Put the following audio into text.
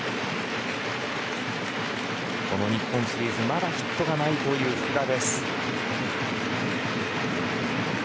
この日本シリーズまだヒットがないという福田です。